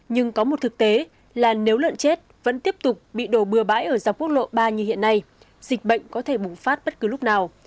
nhưng có một thực tế là nếu lợn chết vẫn tiếp tục bị đổ bừa bãi ở dọc quốc lộ ba như hiện nay dịch bệnh có thể bùng phát bất cứ lúc nào